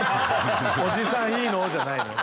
「おじさんいいの？」じゃないのよ。